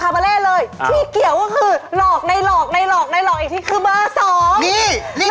ไม่เกี่ยวกับคาบาริย์